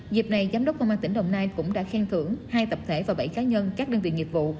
dịp này giám đốc công an tỉnh đồng nai cũng đã khen thưởng hai tập thể và bảy cá nhân các đơn vị nghiệp vụ